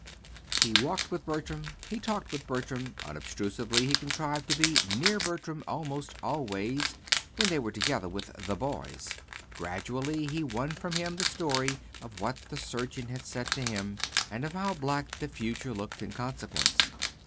He walked with Bertram, he talked with Bertram, unobtrusively he contrived to be near Bertram almost always, when they were together with "the boys." Gradually he won from him the story of what the surgeon had said to him, and of how black the future looked in consequence.